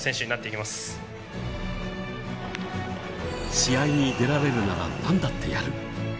試合に出られるならなんだってやる